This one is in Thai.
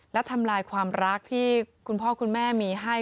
และทำลายความรักที่คุณพ่อคุณแม่มีให้